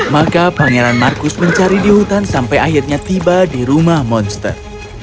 maka pangeran marcus mencari di hutan sampai akhirnya tiba di rumah monster